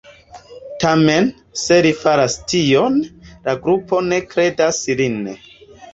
Tamen, se li faras tion, la grupo ne kredas lin.